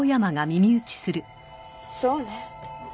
そうね